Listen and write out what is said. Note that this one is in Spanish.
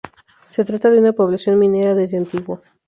Se trata de una población minera desde antiguo.